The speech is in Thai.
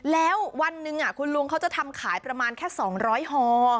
แล้ววันหนึ่งคุณลุงเขาจะทำขายประมาณแค่๒๐๐ห่อ